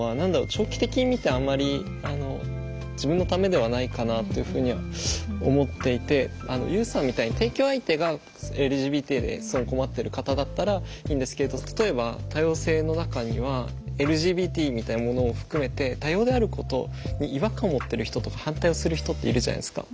長期的に見てあんまり自分のためではないかなというふうには思っていてＵさんみたいに提供相手がＬＧＢＴですごい困っている方だったらいいんですけど例えば多様性の中にはＬＧＢＴみたいなものを含めて多様であることに違和感を持ってる人とか反対をする人っているじゃないですか。